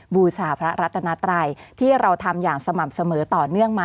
บูชาพระรัตนาไตรที่เราทำอย่างสม่ำเสมอต่อเนื่องมา